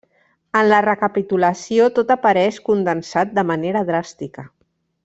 En la recapitulació tot apareix condensat de manera dràstica.